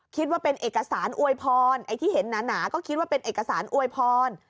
คิดว่าเป็นเอกสารอวยพรไอ้ที่เห็นหนาก็คิดว่าเป็นเอกสารอวยพร